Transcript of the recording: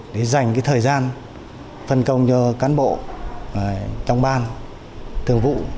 để dành thời gian phân công cho cán bộ trong ban thường vụ